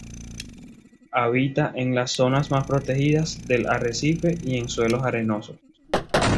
Habita en las zonas más protegidas del arrecife y en suelos arenosos.